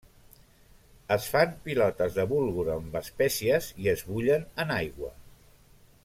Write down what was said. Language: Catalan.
Es fan pilotes de bulgur amb espècies i es bullen en aigua.